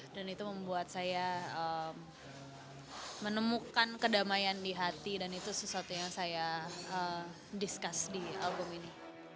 dan itu membuat saya menemukan kedamaian di hati dan itu sesuatu yang saya discuss di album ini